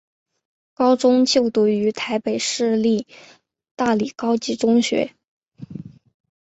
高中就读于台北市立大理高级中学。